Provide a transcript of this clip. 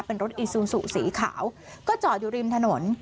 เป็นรถอีซูซูสีขาวก็จอดอยู่ริมถนน